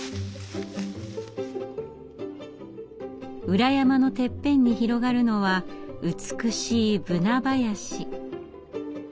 裏山のてっぺんに広がるのは美しいブナ林。